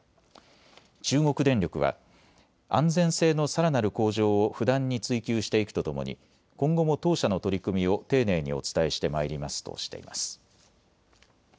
中国電力は安全性のさらなる向上を不断に追求していくとともに今後も当社の取り組みを丁寧にお伝えしてまいりますとしています。